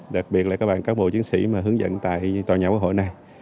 đặc biệt là các bạn cán bộ chiến sĩ mà hướng dẫn tại tòa nhà quốc hội này